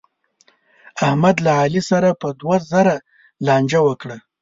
احمد له علي سره په دوه زره لانجه وکړه.